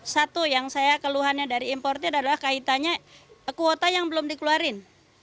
satu yang saya keluhannya dari importer adalah kaitannya kuota yang belum dikeluarin